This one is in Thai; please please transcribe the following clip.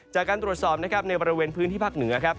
จากการตรวจสอบในบริเวณพื้นที่ภาคเหนือ